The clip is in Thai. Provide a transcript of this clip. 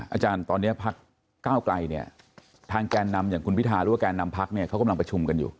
อาจารย์ตอนนี้พักก้าวไกลเนี่ยทางแกนนำอย่างคุณพิทาหรือว่าแกนนำพักเนี่ยเขากำลังประชุมกันอยู่